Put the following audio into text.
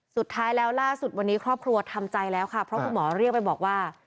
สุดท้ายแล้วล่าสุดวันนี้ครอบครัวทำใจแล้วค่ะเพราะคุณหมอเรียกไปบอกว่า